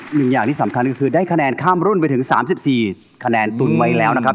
หนึ่งอย่างที่สำคัญก็คือได้คะแนนข้ามรุ่นไปถึง๓๔คะแนนตุนไว้แล้วนะครับ